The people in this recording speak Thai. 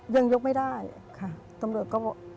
ยังยกไม่ได้ค่ะตำรวจก็บอก